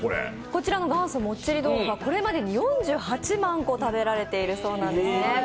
こちらの元祖もっちり豆冨、これまでに４８万個食べられているそうですね。